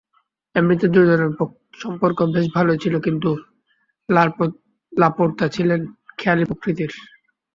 এমনিতে দুজনের সম্পর্ক বেশ ভালোই ছিল, কিন্তু লাপোর্তা ছিলেন খেয়ালি প্রকৃতির।